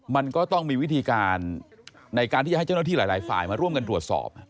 มันก็ต้องมีวิธีการในการที่จะให้เจ้าหน้าที่หลายฝ่ายมาร่วมกันตรวจสอบ